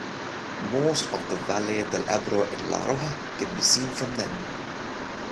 Most of the valle del Ebro in La Rioja can be seen from them.